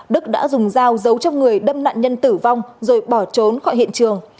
đức đã dùng dao giấu trong người đâm nạn nhân tử vong rồi bỏ trốn khỏi hiện trường